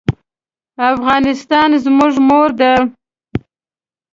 افغانستان زموږ مور ده.